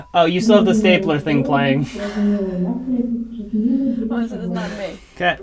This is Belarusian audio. Зразумела што рабіць, зразумела як рабіць, зразумела дзеля чаго рабіць.